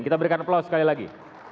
kita berikan aplaus sekali lagi